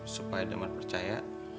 supaya damar percaya